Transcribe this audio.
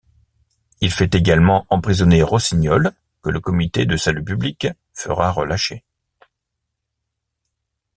Il fait également emprisonner Rossignol que le Comité de salut public fera relâcher.